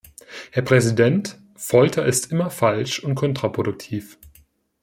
Herr Präsident! Folter ist immer falsch und kontraproduktiv.